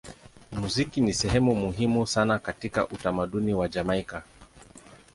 Muziki ni sehemu muhimu sana katika utamaduni wa Jamaika.